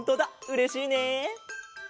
うれしいね。